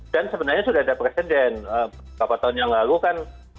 dan sebenarnya sudah ada presiden beberapa tahun yang lalu kan